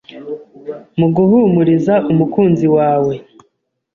Mu guhumuriza umukunzi wawe,